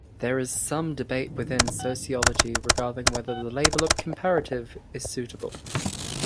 There is some debate within sociology regarding whether the label of 'comparative' is suitable.